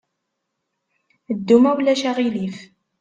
Ddu, ma ulac aɣilif!